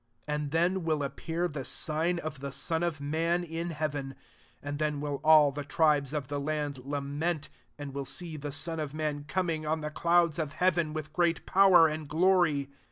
30 And then will apJ MATTHEW XXV. 63 pear the sign of the Son of man, in heaven ; and then M^ill all the tribes of the land lament, and will see the Son of man comingi 00 the clonds of heaven, with great power and glory.